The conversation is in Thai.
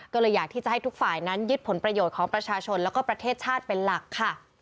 ก็เลยอยากที่จะให้ทุกฝ่ายนั้นยึดผลประโยชน์ของประชาชนแล้วก็ประเทศชาติเป็นหลักค่ะ